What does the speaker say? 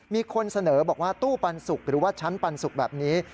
มีคนเสนอบอกว่าตู้ปันสุกหรือว่าชั้นปันสุกแบบนี้